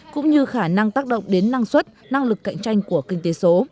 cũng như khả năng tác động đến năng suất năng lực cạnh tranh của kinh tế số